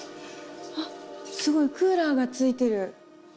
すごいクーラーがついてる！